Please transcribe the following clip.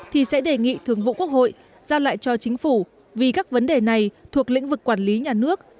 thì sẽ đề nghị thường vụ quốc hội giao lại cho chính phủ vì các vấn đề này thuộc lĩnh vực quản lý nhà nước